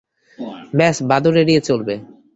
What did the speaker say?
ব্যস বাদুড় এড়িয়ে চলবে।